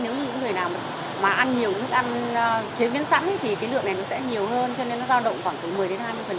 nếu như những người nào mà ăn nhiều thức ăn chế biến sẵn thì cái lượng này nó sẽ nhiều hơn cho nên nó giao động khoảng từ một mươi đến hai mươi